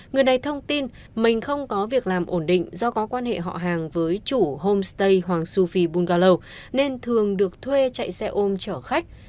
người này thông tin mình không có việc làm ổn định do có quan hệ họ hàng với chủ homestay hoàng su phi bungarlo nên thường được thuê chạy xe ôm chở khách